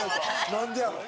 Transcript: なんでやの？